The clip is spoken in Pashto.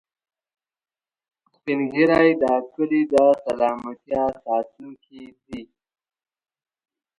سپین ږیری د کلي د سلامتیا ساتونکي دي